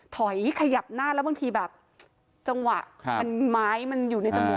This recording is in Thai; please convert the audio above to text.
ถอยขยับหน้าแล้วบางทีแบบจังหวะมันไม้มันอยู่ในจมูก